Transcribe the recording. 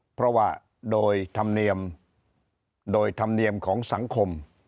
เพราะว่าโดยธรรมเนียมโดยธรรมเนียมของสังคม